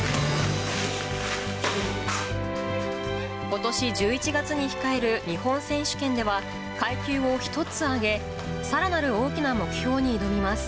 ことし１１月に控える日本選手権では、階級を１つ上げ、さらなる大きな目標に挑みます。